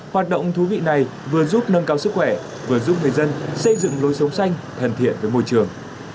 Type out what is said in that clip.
hoạt động thú vị này vừa giúp nâng cao sức khỏe vừa giúp người dân xây dựng lối sống xanh thân thiện với môi trường